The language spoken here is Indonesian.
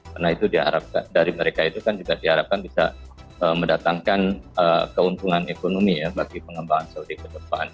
karena itu diharapkan dari mereka itu kan juga diharapkan bisa mendatangkan keuntungan ekonomi bagi pengembangan saudi ke depan